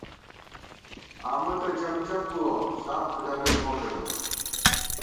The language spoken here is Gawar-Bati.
آمہ تہ جَب جَب بُوَہ، ساف کُھدَمېت مو پېنہ